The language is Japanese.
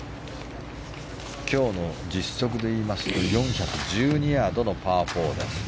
今日の実測でいいますと４１２ヤードのパー４です。